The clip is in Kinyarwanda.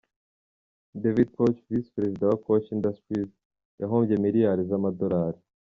David Koch, Visi Perezida wa Koch Industries, yahombye miliyari z’amadolari.